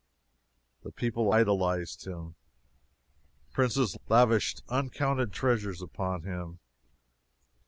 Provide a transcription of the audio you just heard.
The people idolized him; princes lavished uncounted treasures upon him.